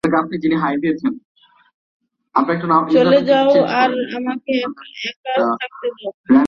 চলে যাও আর আমাকে একা থাকতে দাও।